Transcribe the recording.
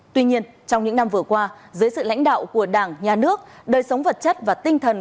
tuy nhiên trong những năm vừa qua dưới sự lãnh đạo của đảng nhà nước đời sống vật chất và tinh thần